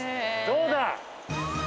◆どうだ！